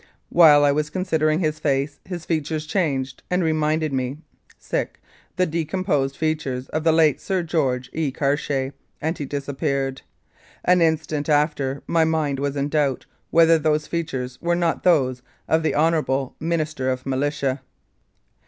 While I was considering his face his features changed and reminded me the decomposed features of late Sir George E. Cartier, and he disappeared. An instant after my mind was in doubt whether those features were not those of the Hon. Minister of Militia."